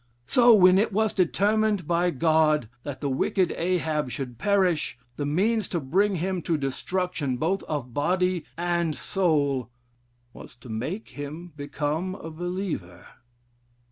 So when it was determined by God that the wicked Ahab should perish, the means to bring him to destruction, both of body and soul, was to make him become a believer.